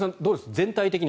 全体的に。